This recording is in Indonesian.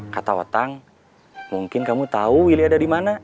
kata watang mungkin kamu tahu willy ada di mana